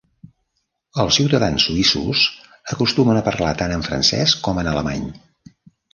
Els ciutadans suïssos acostumen a parlar tant en francès com en alemany.